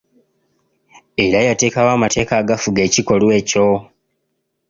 Era yateekawo amateeka agafuga ekikolwa ekyo.